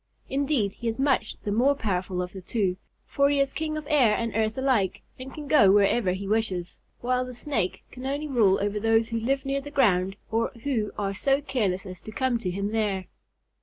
Indeed, he is much the more powerful of the two, for he is king of air and earth alike and can go wherever he wishes, while the snake can only rule over those who live near the ground or who are so careless as to come to him there.